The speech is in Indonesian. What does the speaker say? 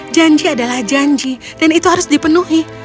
janji adalah janji dan itu harus dipenuhi